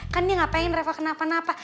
kan dia gak pengen reva kenapa napa